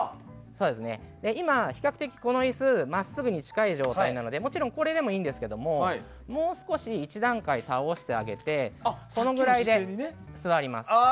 今、比較的この椅子真っすぐに近い状態なのでこれでもいいんですけどもう少し、１段階倒してあげてこのくらいで座ります。